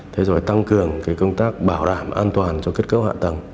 thế rồi tăng cường về công tác bảo đảm an toàn cho kết cấu hạ tầng